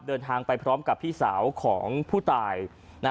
เดินทางไปพร้อมกับพี่สาวของผู้ตาย